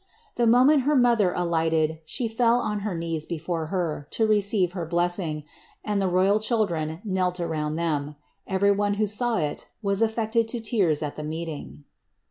The moment her mother alighted, she fell on her knees before her, to receive her blessing, and the royal children knelt aroond them. Every one who saw it was affected to tears at the meeting.